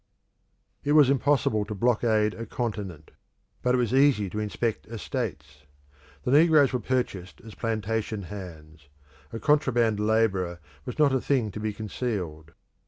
It was impossible to blockade a continent; but it was easy to inspect estates. The negroes were purchased as plantation hands; a contraband labourer was not a thing to be concealed.